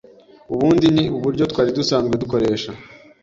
ubundi ni uburyo twari dusanzwe dukoresha